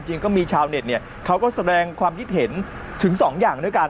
ก็มีชาวเน็ตเนี่ยเขาก็แสดงความคิดเห็นถึงสองอย่างด้วยกัน